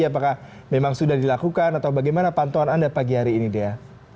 apakah memang sudah dilakukan atau bagaimana pantauan anda pagi hari ini dea